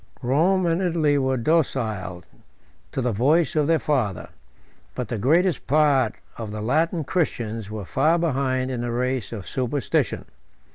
Rome and Italy were docile to the voice of their father; but the greatest part of the Latin Christians were far behind in the race of superstition.